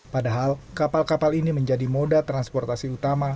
padahal kapal kapal ini menjadi moda transportasi utama